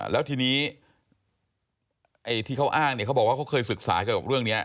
แล้วทีนี้ที่เขาอ้างเขาบอกว่าเขาเคยศึกษากับเรื่องนี้